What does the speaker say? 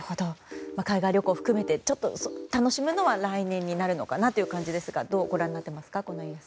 海外旅行を含めて楽しむのは来年になるのかなという感じですがどうご覧になってますか？